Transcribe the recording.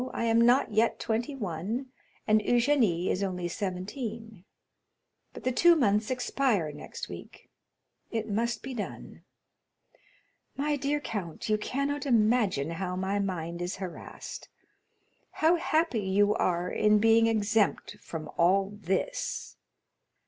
I am not yet twenty one, and Eugénie is only seventeen; but the two months expire next week. It must be done. My dear count, you cannot imagine how my mind is harassed. How happy you are in being exempt from all this!"